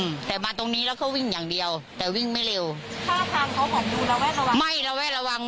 อืมแต่มาตรงนี้แล้วเขาวิ่งอย่างเดียวแต่วิ่งไม่เร็วถ้าทางเขาเห็นดูระแวะระวัง